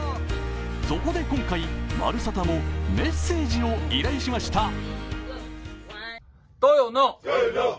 そこで今回、「まるサタ」もメッセージを依頼しました。